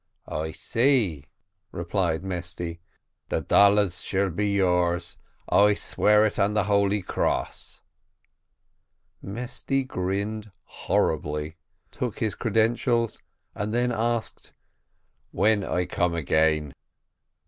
"I see," replied Mesty. "The dollars shall be yours. I swear it on the holy cross." Mesty grinned horribly, took his credentials, and then asked, "When I come again?"